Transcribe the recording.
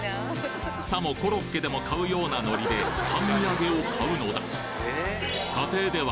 さもコロッケでも買うようなノリで半身揚げを買うのだ